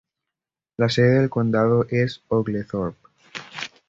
La sede del condado es Oglethorpe.